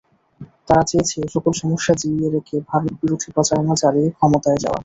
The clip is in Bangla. তারা চেয়েছে এসকল সমস্যা জিইয়ে রেখে ভারতবিরোধী প্রচারণা চালিয়ে ক্ষমতায় যাওয়া।